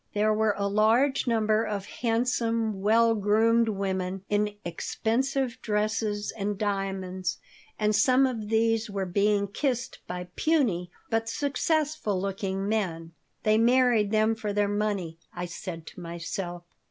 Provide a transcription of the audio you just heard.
There were a large number of handsome, well groomed women in expensive dresses and diamonds, and some of these were being kissed by puny, but successful looking, men. "They married them for their money," I said to myself.